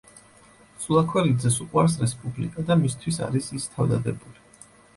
სულაქველიძეს უყვარს რესპუბლიკა და მისთვის არის ის თავდადებული.